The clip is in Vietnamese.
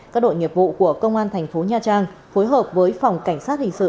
các đội nghiệp vụ của công an tp nha trang phối hợp với phòng cảnh sát hình sự